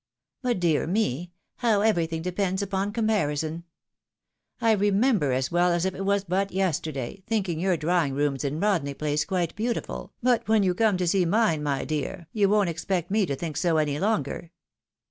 But, dear me ! how everything depends upon comparison ! I re member as well as if it was but yesterday, thinking your draw ing rooms in Rodney place quite beautiful, but when you come to see mine, my dear, you won't expect me to think so any longer.